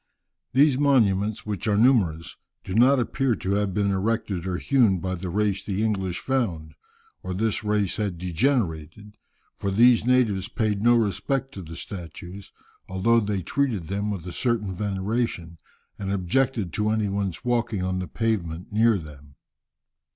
] These monuments, which are numerous, do not appear to have been erected or hewn by the race the English found, or this race had degenerated; for these natives paid no respect to the statues, although they treated them with a certain veneration, and objected to any one's walking on the pavement near them.